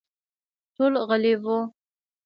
ټول غلي وو.